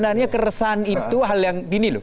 makanya keresahan itu hal yang ini loh